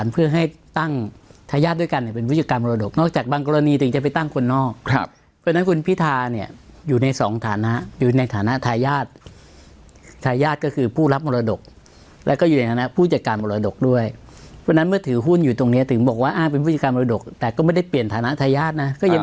เพื่อให้ตั้งทายาทด้วยกันเนี่ยเป็นผู้จัดการมรดกนอกจากบางกรณีถึงจะไปตั้งคนนอกครับเพราะฉะนั้นคุณพิธาเนี่ยอยู่ในสองฐานะอยู่ในฐานะทายาททายาทก็คือผู้รับมรดกแล้วก็อยู่ในฐานะผู้จัดการมรดกด้วยเพราะฉะนั้นเมื่อถือหุ้นอยู่ตรงเนี้ยถึงบอกว่าอ้างเป็นผู้จัดการมรดกแต่ก็ไม่ได้เปลี่ยนฐานะทายาทนะก็ยัง